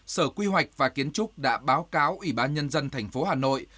sở quy hoạch và kiến trúc đã báo cáo ủy ban nhân dân thành phố hà nội